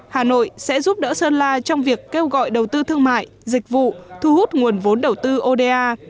hà nội sẽ giúp đỡ sơn la trong việc kêu gọi đầu tư thương mại dịch vụ thu hút nguồn vốn đầu tư oda